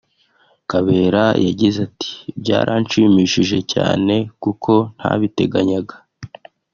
Kabera yagize ati “Byaranshimishije cyane kuko ntabiteganyaga